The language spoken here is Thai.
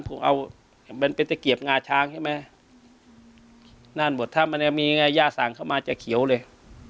ผมเอามันเป็นตะเกียบงาช้างใช่ไหมนั่นหมดถ้ามันจะมีไงย่าสั่งเข้ามาจะเขียวเลย